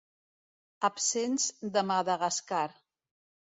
Absents de Madagascar.